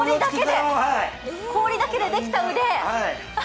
氷だけでできた腕。